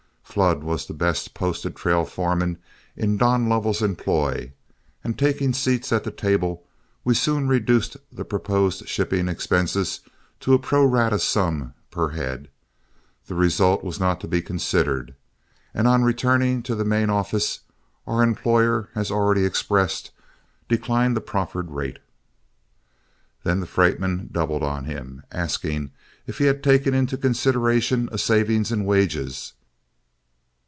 Flood was the best posted trail foreman in Don Lovell's employ, and taking seats at the table, we soon reduced the proposed shipping expense to a pro rata sum per head. The result was not to be considered, and on returning to the main office, our employer, as already expressed, declined the proffered rate. Then the freight men doubled on him, asking if he had taken into consideration a saving in wages.